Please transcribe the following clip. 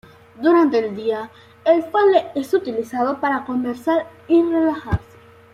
Durante el día, el fale es utilizado para conversar y relajarse.